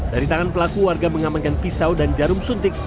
dari tangan pelaku warga mengamankan pisau dan jarum suntik